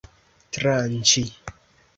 tranĉi